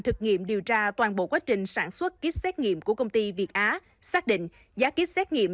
thực nghiệm điều tra toàn bộ quá trình sản xuất kýt xét nghiệm của công ty việt á xác định giá kýt xét nghiệm